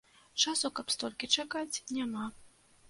Часу, каб столькі чакаць, няма.